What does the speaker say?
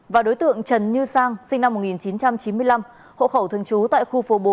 và đối tượng trần như sang sinh năm một nghìn chín trăm chín mươi năm hộ khẩu thường trú tại khu phố bốn